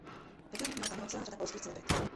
Ve filmu měla cameo celá řada polských celebrit.